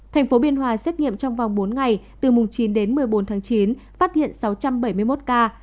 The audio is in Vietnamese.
thành phố biên hòa xét nghiệm trong vòng bốn ngày từ chín một mươi bốn chín phát hiện sáu trăm bảy mươi một ca